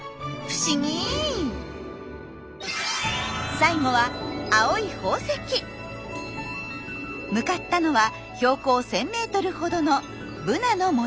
最後は向かったのは標高１，０００メートルほどのブナの森です。